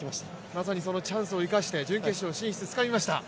まさにそのチャンスを生かして準決勝進出をつかみました。